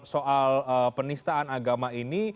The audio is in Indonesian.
soal penistaan agama ini